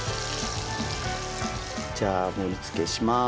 じゃあ盛りつけします。